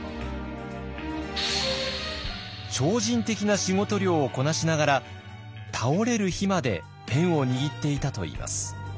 超人的な仕事量をこなしながら倒れる日までペンを握っていたといいます。